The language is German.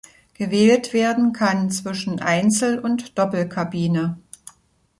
Gewählt werden kann zwischen Einzel- und Doppelkabine.